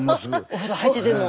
お風呂入ってでも。